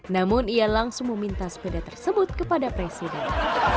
namun ia langsung meminta sepeda tersebut kepada presiden